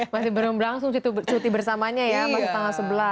masih belum langsung cuti bersamanya ya masih tanggal sebelas